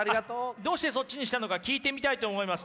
どうしてそっちにしたのか聞いてみたいと思います。